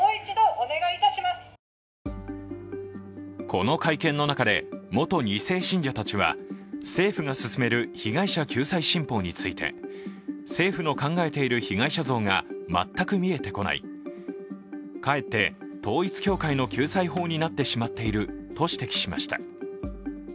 この会見の中で元２世信者たちは政府が進める被害者救済新法について政府の考えている被害者像が全く見えてこないかえって統一教会の救済法になってしまっていると指摘しました。